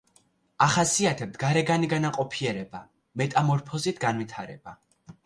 ახასიათებთ გარეგანი განაყოფიერება, მეტამორფოზით განვითარება.